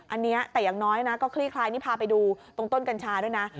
อันนี้แต่อย่างน้อยนะก็คลี่คลายนี่พาไปดูตรงต้นกัญชาด้วยนะ